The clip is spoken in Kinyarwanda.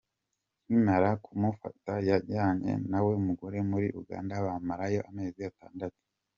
Nkimara kumufata yajyanye na wa mugore muri Uganda bamarayo amezi atandatu.